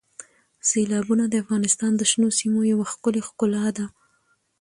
سیلابونه د افغانستان د شنو سیمو یوه ښکلې ښکلا ده.